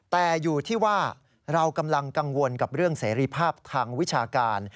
แต่อยู่ที่ว่าเรากำลังกังวลกับเรื่องเสรีภาพทางวิชาการ